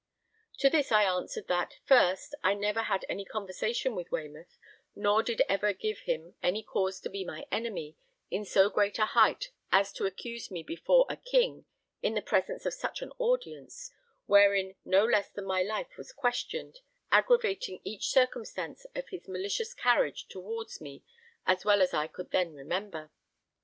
To this I answered that, first, I never had any conversation with Waymouth, nor did ever give him any cause to be my enemy in so great a height as to accuse me before a king in the presence of such an audience, wherein no less than my life was questioned, aggra[va]ting each circumstance of his malicious carriage towards me as well as I could then remember.